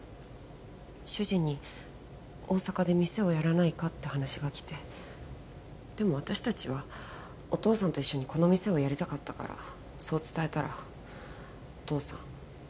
主人に大阪で店をやらないかって話がきてでも私達はお義父さんと一緒にこの店をやりたかったからそう伝えたらお義父さん